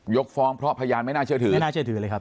ยกฟ้องเพราะพยานไม่น่าเชื่อถือ